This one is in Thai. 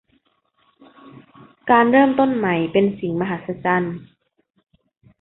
การเริ่มต้นใหม่เป็นสิ่งมหัศจรรย์